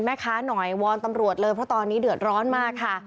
แม่ค้าหน่อยวอนตำรวจเลยเพราะตอนนี้เดือดร้อนมากค่ะ